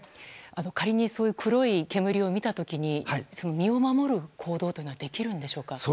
仮に黒い煙を見た時に身を守る行動はできるんでしょうか？